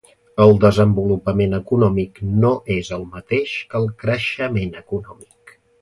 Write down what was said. El desenvolupament econòmic no és el mateix que el creixement econòmic.